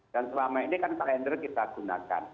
dan selama ini kan kalender kita gunakan